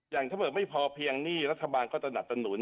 อย่างถ้าเมื่อไม่พอเพียงนี่รัฐบาลก็จะหนัดตะหนุน